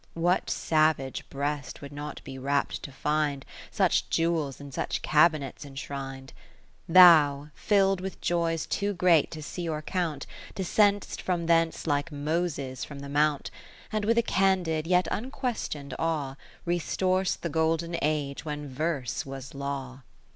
What savage breast would not be rap'd to find Such jewels in such cabinets en shrin'd ? Thou (fill'd with joys too great to see or count) Descend'st from thence like Moses from the Mount, And with a candid, yet unquestion'd awe, Restor'st the Golden Age when Verse was Law.